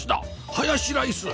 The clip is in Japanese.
ハヤシライス！